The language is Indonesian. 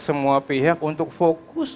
semua pihak untuk fokus